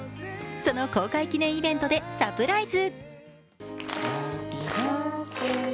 その公開記念イベントでサプライズ。